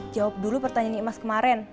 jawab dulu pertanyaan imas kemarin